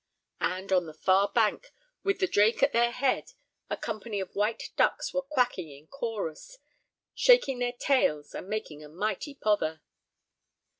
And on the far bank, with the drake at their head, a company of white ducks were quacking in chorus, shaking their tails, and making a mighty pother.